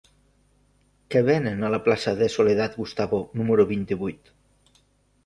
Què venen a la plaça de Soledad Gustavo número vint-i-vuit?